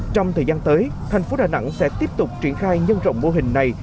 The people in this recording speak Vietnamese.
trong thời gian tới thành phố đà nẵng sẽ tiếp tục triển khai nhân rộng mô hình này